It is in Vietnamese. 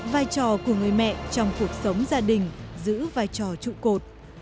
vai trò của người mẹ trong cuộc sống gia đình giữ vai trò trụ cột